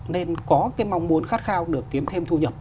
nên có cái mong muốn khát khao được kiếm thêm thu nhập